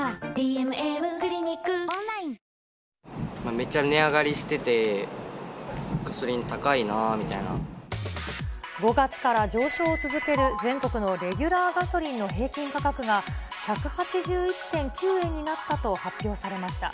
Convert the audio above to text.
めっちゃ値上がりしてて、５月から上昇を続ける全国のレギュラーガソリンの平均価格が、１８１．９円になったと発表されました。